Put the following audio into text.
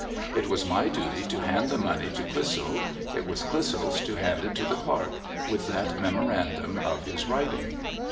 It was my duty to hand the money to Clissold ; it was Clissold's to hand it to the clerk, with that memorandum of his writing.